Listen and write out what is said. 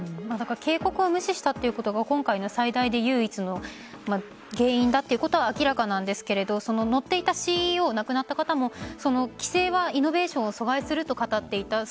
警告を無視したということが今回の最大で唯一の原因だということは明らかなんですが乗っていたＣＥＯ亡くなった方も規制はイノベーションを阻害すると語っていた。